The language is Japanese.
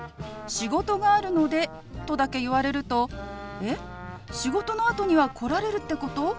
「仕事があるので」とだけ言われると「えっ？仕事のあとには来られるってこと？